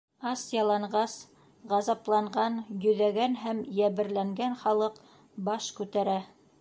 Ас-яланғас, ғазапланған, йөҙәгән һәм йәберләнгән халыҡ баш күтәрә.